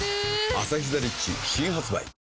「アサヒザ・リッチ」新発売